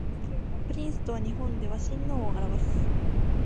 プリンスとは日本では親王を表す